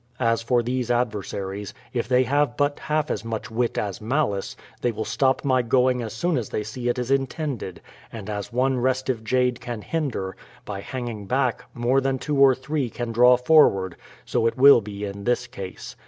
As for these ad versaries, if they have but half as much wit as malice, they will stop my going as soon as they see it is intended ; and as one restive jade can hinder, by hanging back, more than two or three can draw forward, so it will be in this case.